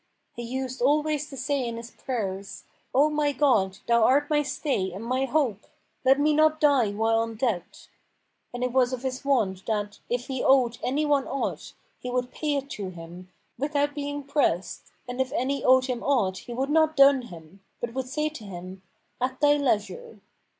He used always to say in his prayers, 'O my God, Thou art my stay and my hope! Let me not die while in debt.' And it was of his wont that, if he owed any one aught, he would pay it to him, without being pressed, and if any owed him aught he would not dun him, but would say to him, 'At thy leisure.'